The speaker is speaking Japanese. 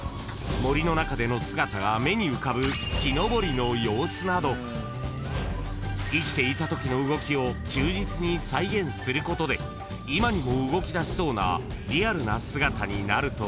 ［森の中での姿が目に浮かぶ木登りの様子など生きていたときの動きを忠実に再現することで今にも動きだしそうなリアルな姿になるといいます］